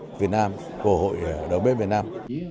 tôi hy vọng việt nam có hội đầu bếp việt nam